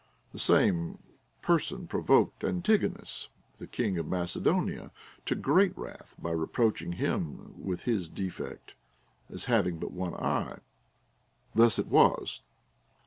The same person provoked Antigonus, the king of Macedonia, to great wrath, by reproaching him with his defect, as having but one eye. Thus it was.